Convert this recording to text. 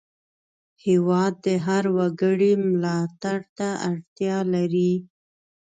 هېواد د هر وګړي ملاتړ ته اړتیا لري.